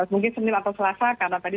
mungkin senin atau selasa karena tadi